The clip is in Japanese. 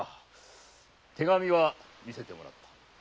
手紙は見せてもらった。